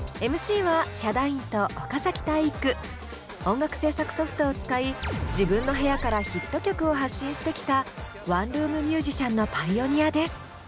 音楽制作ソフトを使い自分の部屋からヒット曲を発信してきたワンルーム☆ミュージシャンのパイオニアです。